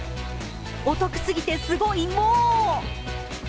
お得すぎてすごイモ。